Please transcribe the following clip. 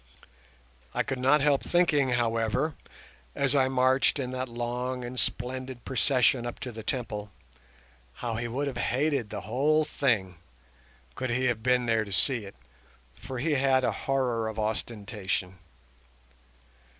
I could not help thinking, however, as I marched in that long and splendid procession up to the Temple, how he would have hated the whole thing could he have been there to see it, for he had a horror of ostentation.